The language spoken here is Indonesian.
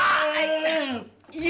sebentar aja sebentar aja